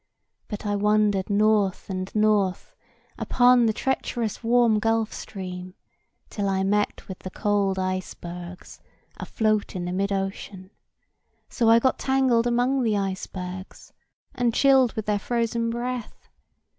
But I wandered north and north, upon the treacherous warm gulf stream, till I met with the cold icebergs, afloat in the mid ocean. So I got tangled among the icebergs, and chilled with their frozen breath.